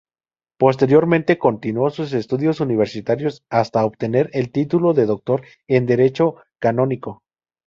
Posteriormente continuó sus estudios universitarios hasta obtener el título de Doctor en Derecho Canónico.